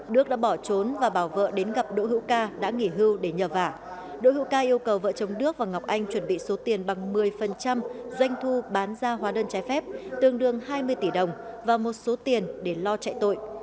đội hữu ca đã nghỉ hưu để nhờ vả đội hữu ca yêu cầu vợ chồng đức và ngọc anh chuẩn bị số tiền bằng một mươi doanh thu bán ra hóa đơn trái phép tương đương hai mươi tỷ đồng và một số tiền để lo chạy tội